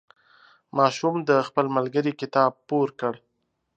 ماشوم د خپل ملګري کتاب پور کړ.